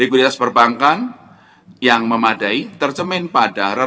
likuiditas perbankan yang memadai tercemin pada retail